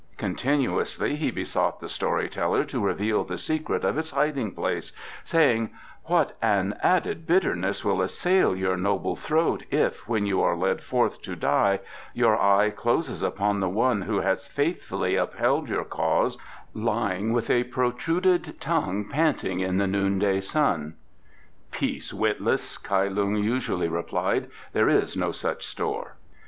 Continuously he besought the story teller to reveal the secret of its hiding place, saying: "What an added bitterness will assail your noble throat if, when you are led forth to die, your eye closes upon the one who has faithfully upheld your cause lying with a protruded tongue panting in the noonday sun." "Peace, witless," Kai Lung usually replied; "there is no such store."